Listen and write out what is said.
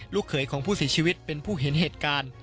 เขยของผู้เสียชีวิตเป็นผู้เห็นเหตุการณ์